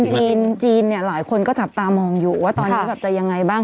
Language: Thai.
จีนเนี่ยหลายคนก็จับตามองอยู่ว่าตอนนี้แบบจะยังไงบ้าง